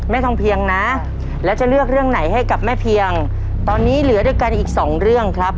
ทองเพียงนะแล้วจะเลือกเรื่องไหนให้กับแม่เพียงตอนนี้เหลือด้วยกันอีกสองเรื่องครับ